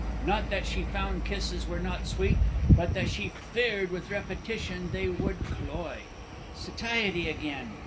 Not that she found kisses were not sweet, but that she feared with repetition they would cloy. Satiety again!